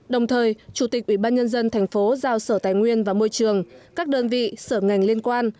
đồng thời chủ tịch ủy ban nhân dân thành phố giao sở tài nguyên và môi trường các đơn vị sở ngành liên quan